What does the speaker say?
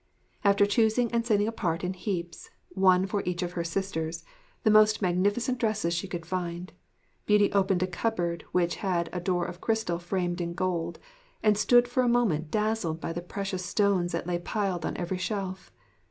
After choosing and setting apart in heaps, one for each of her sisters, the most magnificent dresses she could find, Beauty opened a cupboard which had a door of crystal framed in gold, and stood for a moment dazzled by the precious stones that lay piled on every shelf.